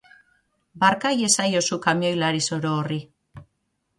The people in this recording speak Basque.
Barka iezaiozu kamioilari zoro horri.